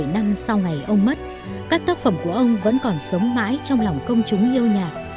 bảy mươi năm sau ngày ông mất các tác phẩm của ông vẫn còn sống mãi trong lòng công chúng yêu nhạc